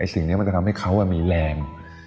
สิ่งนี้มันจะทำให้เขามีแรง